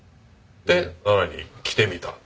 で奈良に来てみた。